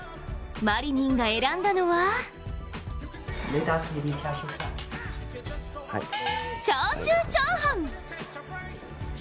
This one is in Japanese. マリニンが選んだのはチャーシューチャーハン。